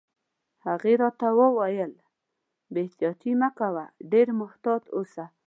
هغې راته وویل: بې احتیاطي مه کوه، ډېر محتاط اوسه.